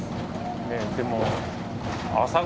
ねっでも。